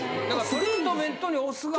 トリートメントはい。